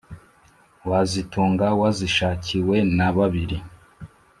wazitunga wazishakiwe na babiri.